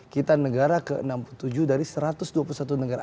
kita negara ke enam puluh tujuh dari satu ratus dua puluh satu negara